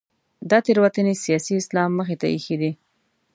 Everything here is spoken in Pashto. دا تېروتنې سیاسي اسلام مخې ته اېښې دي.